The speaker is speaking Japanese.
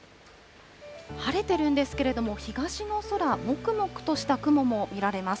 晴れてるんですけれども、東の空、もくもくとした雲も見られます。